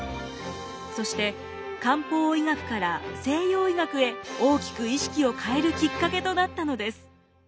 そして漢方医学から西洋医学へ大きく意識を変えるきっかけとなったのです。